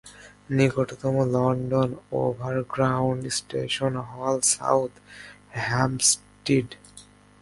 নিকটতম London Overground station হল South Hampstead.